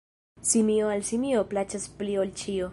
Simio al simio plaĉas pli ol ĉio.